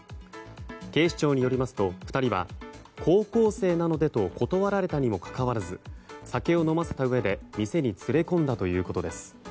警視庁によりますと２人は高校生なのでと断られたにもかかわらず酒を飲ませたうえで店に連れ込んだということです。